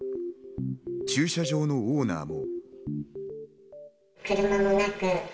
駐車場のオーナーも。